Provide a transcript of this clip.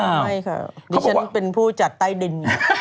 เขาบอกว่าหรือฉันเป็นผู้จัดใต้ดิน